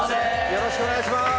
よろしくお願いします。